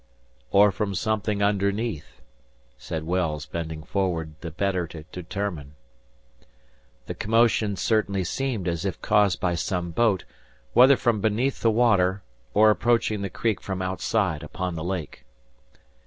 "Or from something underneath," said Wells, bending forward, the better to determine. The commotion certainly seemed as if caused by some boat, whether from beneath the water, or approaching the creek from outside upon the lake.